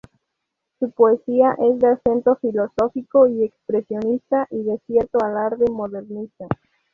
Su poesía es de acento filosófico y expresionista, y de cierto alarde modernista.